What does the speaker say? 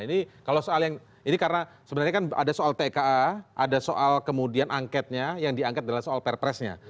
ini kalau soal yang ini karena sebenarnya kan ada soal tka ada soal kemudian angketnya yang diangkat adalah soal perpresnya